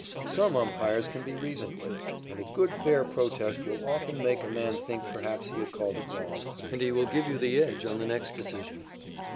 Some umpires can be reasoned with, and a good fair protest will often make a man think perhaps he has called it wrong, and he will give you the edge on the next decision.